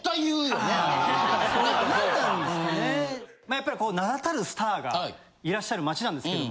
やっぱり名だたるスターがいらっしゃる街なんですけど。